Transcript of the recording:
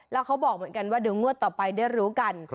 แล้วเขาบอกเหมือนกันว่าเดี๋ยวงวดต่อไปได้รู้กัน